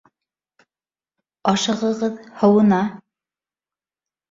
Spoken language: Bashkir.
Ашығығыҙ, һыуына